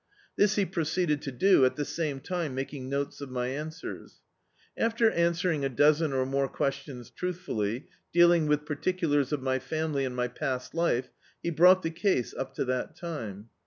This he proceeded to do, at the same time maldng notes of my answers. After answering a dozen or more questions truthfully, dealing with particulars of my family, and my past life — he brought the case up to that time.